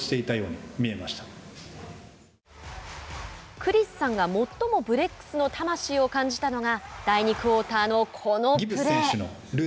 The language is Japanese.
クリスさんが最もブレックスの魂を感じたのが第２クオーターのこのプレー。